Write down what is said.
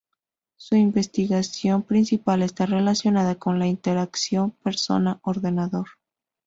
Su investigación principal está relacionada con la Interacción Persona-ordenador.